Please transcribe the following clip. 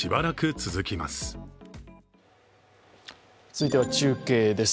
続いては中継です。